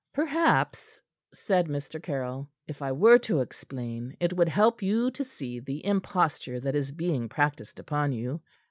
"Perhaps," said Mr. Caryll, "if I were to explain, it would help you to see the imposture that is being practiced upon you.